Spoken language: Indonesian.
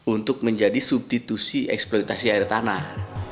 untuk menjadi substitusi eksploitasi air tanah